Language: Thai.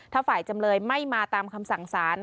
ถ้าฝ่ายจำเลยไม่มาตามคำสั่งสาร